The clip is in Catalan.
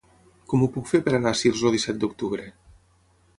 Com ho puc fer per anar a Sils el disset d'octubre?